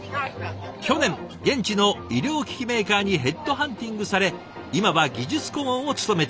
去年現地の医療機器メーカーにヘッドハンティングされ今は技術顧問を務めています。